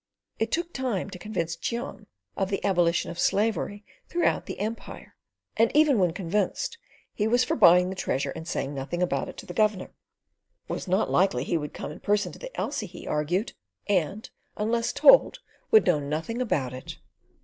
It took time to convince Cheon of the abolition of slavery throughout the Empire, and even when convinced, he was for buying the treasure and saying nothing about it to the Governor. It was not likely he would come in person to the Elsey, he argued, and, unless told, would know nothing about it.